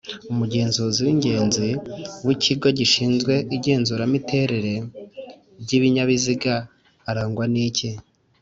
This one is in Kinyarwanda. umugenzuzi w’ingenzi w’ikigo gishinzwe igenzuramiterere ry’ibinyabiziga arangwa niki